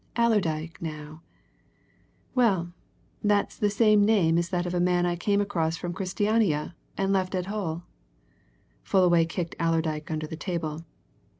Allerdyke, now well, that's the same name as that of a man I came across from Christiania with, and left at Hull." Fullaway kicked Allerdyke under the table.